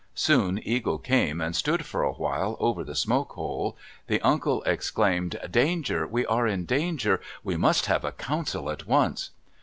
Soon Eagle came and stood for a while over the smoke hole. The uncle exclaimed, "Danger! We are in danger! We must have a council at once!"